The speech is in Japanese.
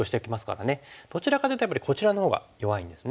どちらかというとやっぱりこちらのほうが弱いんですね。